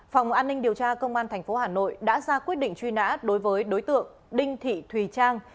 phòng an ninh điều tra công an tp hà nội đã ra quyết định truy nã đối với đối tượng đinh thị thùy trang